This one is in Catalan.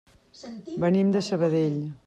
Venim de Sabadell.